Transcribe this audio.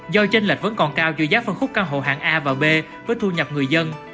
do chênh lệch vẫn còn cao dù giá phân khúc căn hộ hạng a và b với thu nhập người dân